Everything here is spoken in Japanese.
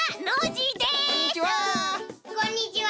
こんにちは！